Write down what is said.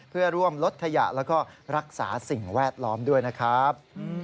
เพื่อร่วมลดขยะแล้วก็รักษาสิ่งแวดล้อมด้วยนะครับ